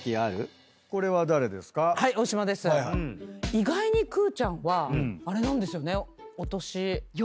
意外にくぅちゃんはあれなんですよねお年。